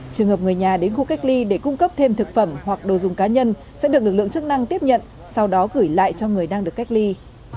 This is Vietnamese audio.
trường hợp người nhà đến khu cách ly để cung cấp thêm thực phẩm hoặc đồ dùng cá nhân sẽ được lực lượng chức năng tiếp nhận sau đó gửi lại cho người đang được cách ly